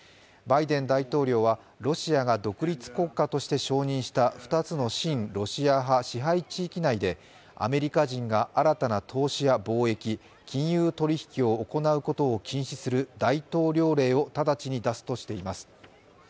バイデン大統領はロシアが独立国家として承認した２つの親ロシア派支配地域内でアメリカ人が新たな投資や貿易金融取引を行うことを禁止する大統領令を直ちに出すとしています。